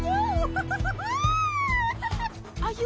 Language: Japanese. フフフ。